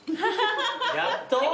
やっと？